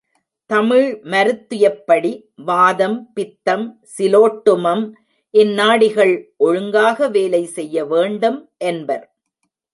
தமிழ் மருத்துயப்படி வாதம், பித்தம், சிலோட்டுமம் இந்நாடிகள் ஒழுங்காக வேலை செய்ய வேண்டும் என்பர்.